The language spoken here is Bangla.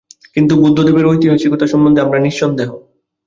কিন্তু বুদ্ধদেবের ঐতিহাসিকতা সম্বন্ধে আমরা নিঃসন্দেহ।